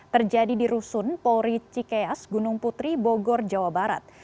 terjadi di rusun polri cikeas gunung putri bogor jawa barat